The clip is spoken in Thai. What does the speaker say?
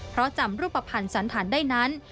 เพราะจำรูปภัณฑ์สันฐานได้นั้น